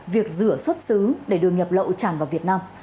việc rửa xuất xứ để đường nhập lậu tràn vào việt nam